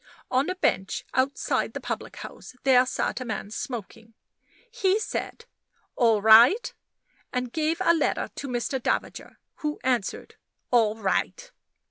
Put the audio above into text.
On a bench outside the public house there sat a man smoking. He said "All right?" and gave a letter to Mr. Davager, who answered "All right!"